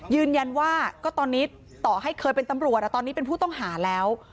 ยืนยันว่าก็ตอนนี้ต่อให้เคยเป็นตำรวจตอนนี้เป็นผู้ต้องหาแล้ว